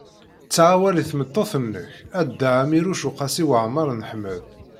Ttaɣ awal i tmeṭṭut-nnek a Dda Ɛmiiruc u Qasi Waɛmer n Ḥmed.